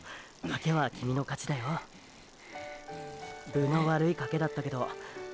分の悪い賭けだったけどハッハッ！